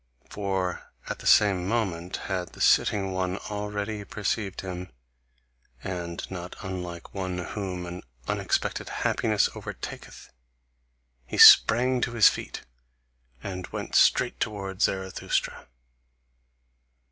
For at the same moment had the sitting one already perceived him; and not unlike one whom an unexpected happiness overtaketh, he sprang to his feet, and went straight towards Zarathustra.